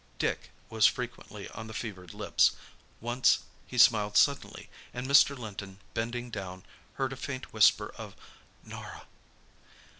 "Dick" was frequently on the fevered lips. Once he smiled suddenly, and Mr. Linton, bending down, heard a faint whisper of "Norah."